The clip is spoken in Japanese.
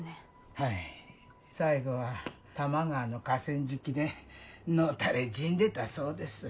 はい最後は多摩川の河川敷でのたれ死んでたそうです